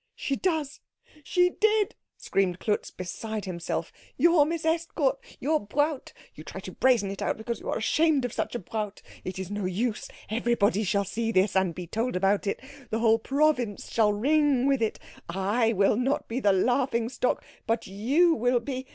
"She does she did " screamed Klutz, beside himself. "Your Miss Estcourt your Braut you try to brazen it out because you are ashamed of such a Braut. It is no use everyone shall see this, and be told about it the whole province shall ring with it I will not be the laughing stock, but you will be.